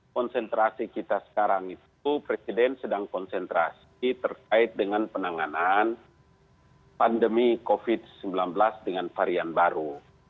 konsentrasi kita sekarang itu presiden sedang konsentrasi terkait dengan penanganan pandemi covid sembilan belas dengan varian baru